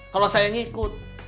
kalau saya yang ikut